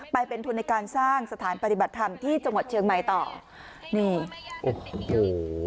ไปเป็นทุนในการสร้างสถานปฏิบัติธรรมที่จังหวัดเชียงใหม่ต่อนี่โอ้โห